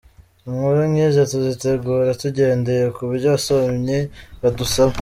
Inkuru nkizi tuzitegura tugendeye kubyo abasomyi badusaba.